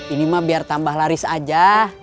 ini mah biar tambah laris aja